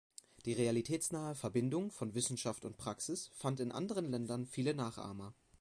Die realitätsnahe Verbindung von Wissenschaft und Praxis fand in anderen Ländern viele Nachahmer.